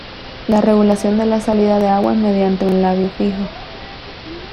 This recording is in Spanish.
La regulación de la salida de agua es mediante un Labio fijo.